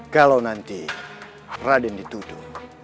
kalau nanti raden dituduh